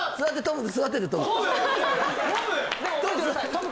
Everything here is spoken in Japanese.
・トム！